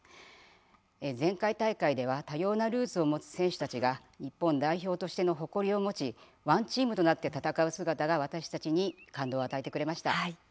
前回大会では多様なルーツを持つ選手たちが日本代表としての誇りを持ちワンチームとなって戦う姿が私たちに感動を与えてくれました。